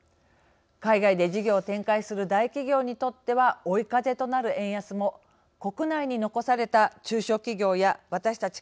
海外で事業を展開する大企業にとっては追い風となる円安も国内に残された中小企業や私たち